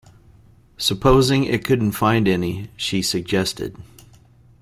‘Supposing it couldn’t find any?’ she suggested.